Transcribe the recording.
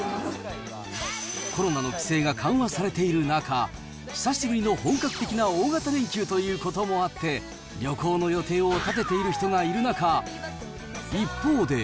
コロナの規制が緩和されている中、久しぶりの本格的な大型連休ということもあって、旅行の予定を立てている人がいる中、一方で。